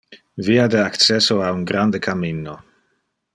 Via de accesso a un grande cammino.